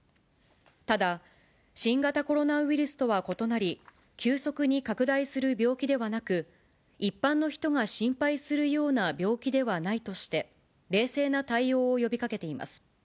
ただ、新型コロナウイルスとは異なり、急速に拡大する病気ではなく、一般の人が心配するような病気ではないとして、冷静な対応を呼びかけています。